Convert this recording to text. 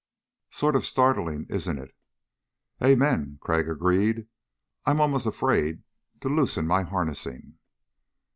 "Sort of startling, isn't it?" "Amen," Crag agreed. "I'm almost afraid to loosen my harnessing.